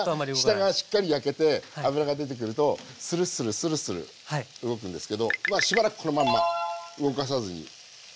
下がしっかり焼けて脂が出てくるとスルスルスルスル動くんですけどしばらくこのまんま動かさずにじっと焼きつけていきます。